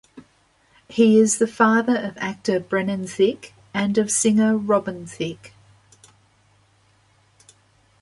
He is the father of actor Brennan Thicke, and of singer Robin Thicke.